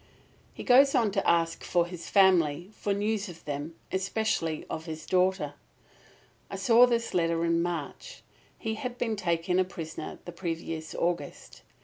He goes on to ask for his family, for news of them, especially of his daughter. I saw this letter in March. He had been taken a prisoner the previous August.